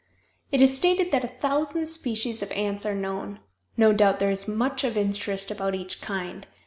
It is stated that a thousand species of ants are known. No doubt there is much of interest about each kind.